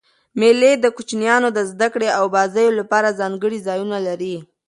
مېلې د کوچنيانو د زدهکړي او بازيو له پاره ځانګړي ځایونه لري.